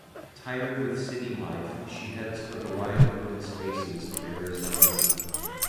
Tired with city life, she heads for the wide open spaces of Arizona.